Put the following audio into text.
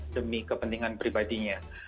demi kepentingan pribadinya